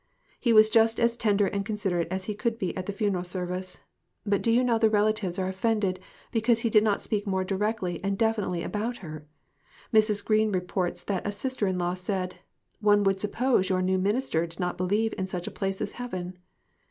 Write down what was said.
He was just as tender and considerate as he could be at the funeral ser vice. But do you know the relatives are offended because he did not speak more directly and defin itely about her? Mrs. Green reports that a sis ter in law said, 'One would suppose your new minister did not believe in such a place as heaven.'